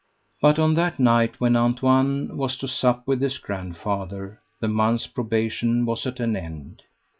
But on that night, when Antoine was to sup with his grandfather, the month's probation was at an end.